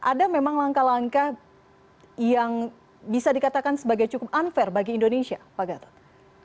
ada memang langkah langkah yang bisa dikatakan sebagai cukup unfair bagi indonesia pak gatot